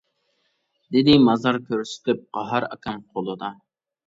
دېدى مازار كۆرسىتىپ، قاھار ئاكام قولىدا.